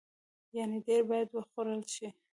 يعنې ډیر باید وخوړل شي.